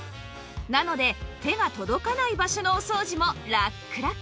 なので手が届かない場所のお掃除もラックラク